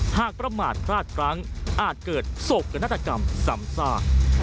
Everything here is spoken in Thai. ประมาทพลาดครั้งอาจเกิดโศกนาฏกรรมซ้ำซาก